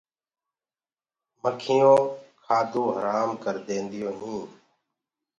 مکيونٚ ڪآدو هرآم ڪر دينديونٚ هينٚ۔